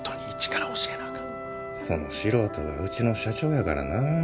その素人がうちの社長やからな。